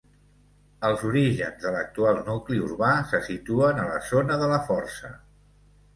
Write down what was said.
Els orígens de l'actual nucli urbà se situen a la zona de la Força.